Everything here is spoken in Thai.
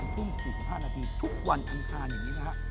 ๓ทุ่ม๔๕นาทีทุกวันทั้งทานอย่างนี้นะครับ